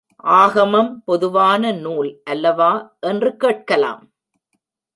ஆகமம் பொதுவான நூல் அல்லவா என்று கேட்கலாம்.